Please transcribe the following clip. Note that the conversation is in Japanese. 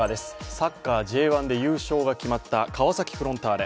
サッカーＪ１で優勝が決まった川崎フロンターレ。